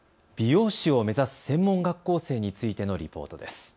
美容師を目指す専門学校生についてのリポートです。